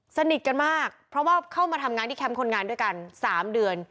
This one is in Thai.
สนิทกันมากเพราะว่าเข้ามาทำงานที่แคมป์คนงานด้วยกัน๓เดือน